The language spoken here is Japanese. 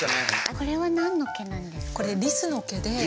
これは何の毛なんですか？